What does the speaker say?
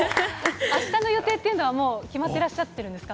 あしたの予定っていうのは、決まっていらっしゃってるんですか。